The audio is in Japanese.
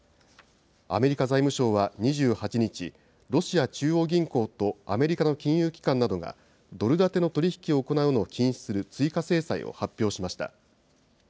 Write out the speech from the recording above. アメリカ財務省は２８日、ロシア中央銀行とアメリカの金融機関などが、ドル建ての取り引きを行うのを禁止する追加制裁を発表しました。